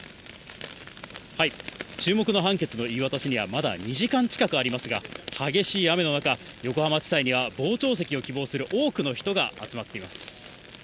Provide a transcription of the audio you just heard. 注目の判決の言い渡しにはまだ２時間近くありますが、激しい雨の中、横浜地裁には傍聴席を希望する多くの人が集まっています。